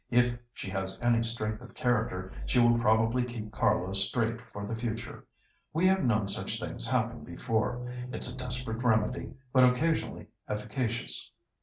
If she has any strength of character, she will probably keep Carlo straight for the future. We have known such things happen before. It's a desperate remedy, but occasionally efficacious."